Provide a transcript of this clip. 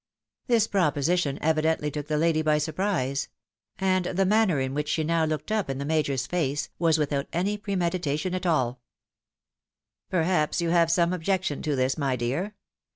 This proposition evidently took the lady by surprise ; and the manner in which she now looked up in the Major's face, was without any premeditation at aU. " Perhaps you have some objection to this, my dear